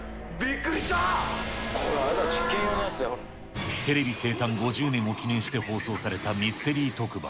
これ、あれだ、テレビ生誕５０年を記念して放送されたミステリー特番。